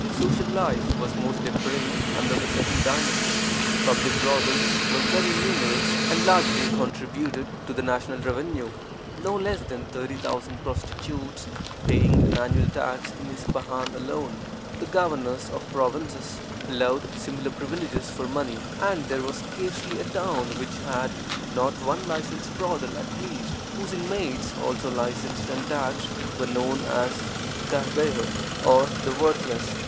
Social life was most depraved under the Sefi dynasty. Public brothels were very numerous, and largely contributed to the national revenue, no less than thirty thousand prostitutes paying an annual tax in Ispahan alone. The governors of provinces allowed similar privileges for money, and there was scarcely a town which had not one licensed brothel at least, whose inmates (also licensed and taxed) were known as Cahbeha, or the worthless.